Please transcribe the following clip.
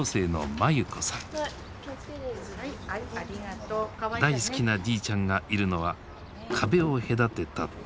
大好きなじいちゃんがいるのは壁を隔てた隣。